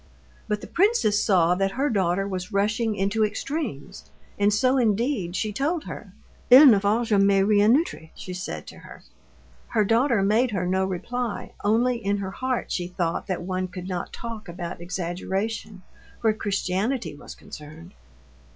But the princess saw that her daughter was rushing into extremes, and so indeed she told her. "Il ne faut jamais rien outrer," she said to her. Her daughter made her no reply, only in her heart she thought that one could not talk about exaggeration where Christianity was concerned.